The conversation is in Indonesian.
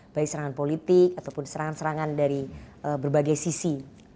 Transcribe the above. baik serangan politik ataupun serangan serangan dari berbagai sisi